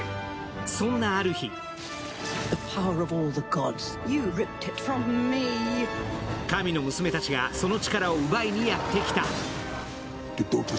そんなある日神の娘たちがその力を奪いにやってきた。